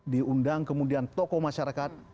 diundang kemudian tokoh masyarakat